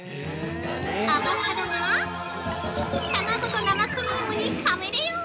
◆アボカドが卵と生クリームにカメレオン！